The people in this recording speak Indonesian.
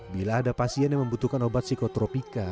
bila ada pasien yang membutuhkan obat psikotropika